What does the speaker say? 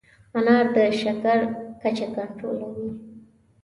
انار د شکر کچه کنټرولوي.